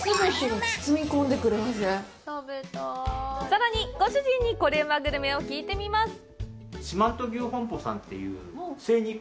さらに、ご主人にコレうまグルメを聞いてみます。